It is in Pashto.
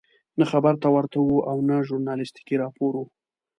نه خبر ته ورته وو او نه ژورنالستیکي راپور وو.